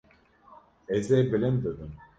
Ez ê bilind bibim.